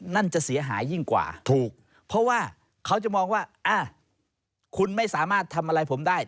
นั่นจะเสียหายยิ่งกว่าถูกเพราะว่าเขาจะมองว่าคุณไม่สามารถทำอะไรผมได้